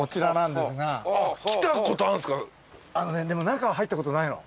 でも中は入ったことないの。